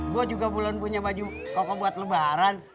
gue juga bulan punya baju koko buat lebaran